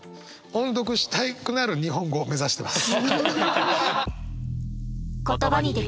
音読したくなる日本語目指してます。